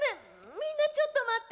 みんなちょっと待って。